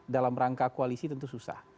dalam rangka koalisi tentu susah